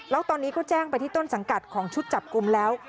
แล้วตอนนี้ก็แจ้งไปที่ต้นสังกัดของชุดจับกลุ่มแล้ว